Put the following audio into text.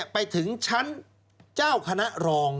ไปถึงชั้นเจ้าคณะรอง